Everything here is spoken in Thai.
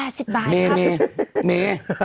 แปดสิบบาทครับแม่